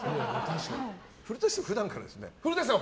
古舘さんは普段からですよね。